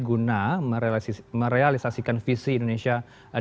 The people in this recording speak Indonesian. guna merealisasikan visi indonesia dua ribu empat puluh lima